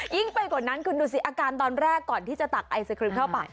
ยิ่งไปกว่านั้นคุณดูสิอาการตอนแรกก่อนที่จะตักไอศครีมเข้าไป